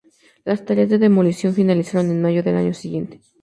Las tareas de demolición finalizaron en mayo del año siguiente.